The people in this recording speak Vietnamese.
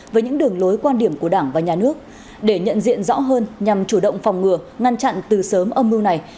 với những đường lối quan điểm của đảng và nhà nước để nhận diện rõ hơn nhằm chủ động phòng ngừa ngăn chặn từ sớm âm mưu này